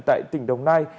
tại tỉnh đồng nai